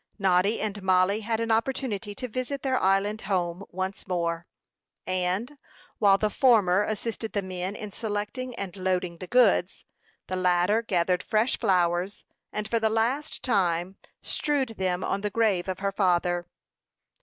Noddy and Mollie had an opportunity to visit their island home once more; and, while the former assisted the men in selecting and loading the goods, the latter gathered fresh flowers, and for the last time strewed them on the grave of her father.